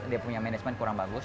dia punya manajemen kurang bagus